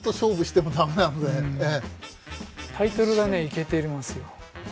タイトルがねイケてますよ。